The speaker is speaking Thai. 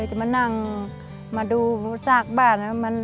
จะมานั่งมาดูซากบ้าน